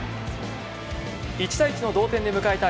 １対１の同点で迎えた